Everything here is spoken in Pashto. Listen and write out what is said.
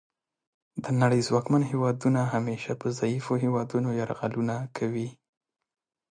د نړۍ ځواکمن هیوادونه همیشه په ضعیفو هیوادونو یرغلونه کوي